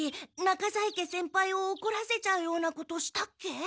中在家先輩をおこらせちゃうようなことしたっけ？